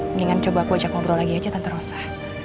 mendingan coba aku ajak ngobrol lagi aja tanpa rosa